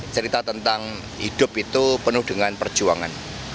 cerita tentang hidup itu penuh dengan perjuangan